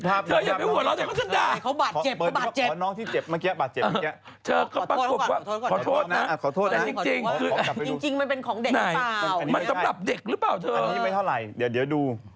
เกินจริงก็บอกแล้วครับคุณดู